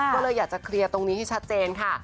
ก็เลยอยากจะเคลียร์ตรงนี้ให้ชัดเจนค่ะ